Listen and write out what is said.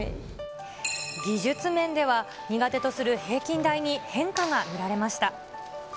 技術面では苦手とする平均台に変化が見られました。